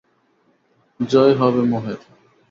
জয় হবে মোহের।